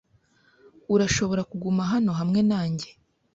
Urashobora kuguma hano hamwe nanjye.